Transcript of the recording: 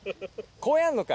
こうやんのか！